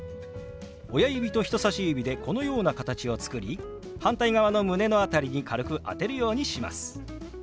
親指と人さし指でこのような形を作り反対側の胸の辺りに軽く当てるようにします。